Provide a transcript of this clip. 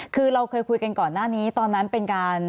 คือเราเคยคุยกันก่อนหน้านี้ตอนนั้นเป็นการ